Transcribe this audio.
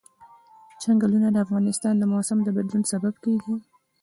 چنګلونه د افغانستان د موسم د بدلون سبب کېږي.